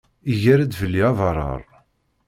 Iger-d fell-i abarrar.